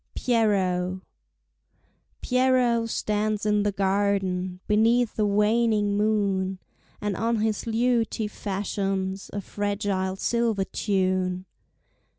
Pierrot Pierrot stands in the garden Beneath a waning moon, And on his lute he fashions A fragile silver tune.